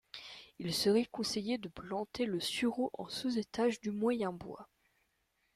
Il serait conseillé de planter le sureau en sous-étage du moyen bois.